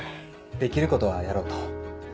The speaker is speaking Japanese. できることはやろうと。